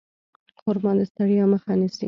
خرما د ستړیا مخه نیسي.